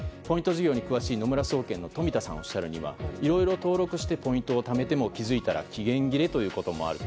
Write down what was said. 事業に詳しい野村総研の冨田さんがおっしゃるにはいろいろ登録してポイントをためても気づいたら期限切れということもある。